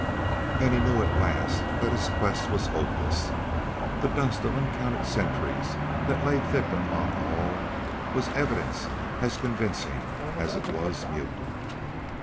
And he knew at last that his quest was hopeless. The dust of uncounted centuries that lay thickly upon all was evidence as convincing as it was mute.